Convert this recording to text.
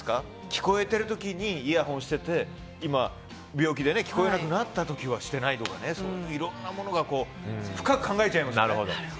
聞こえている時にイヤホンしてて今、病気で聞こえなくなった時はしてないとか、いろんなものが深く考えちゃいますよね。